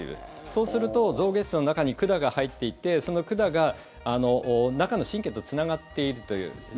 そうすると象牙質の中に管が入っていてその管が中の神経とつながっているという。